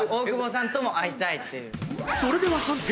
［それでは判定］